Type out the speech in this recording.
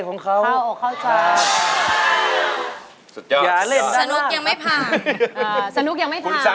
เข้าอกเรื่องใจของเขา